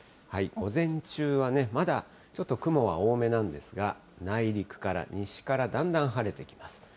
午前中はね、まだちょっと雲は多めなんですが、内陸から西からだんだん晴れてきます。